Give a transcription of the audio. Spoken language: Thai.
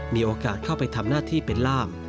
มีโอกาสเข้าไปทำหน้าที่เป็นล่าม